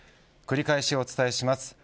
繰り返しお伝えします。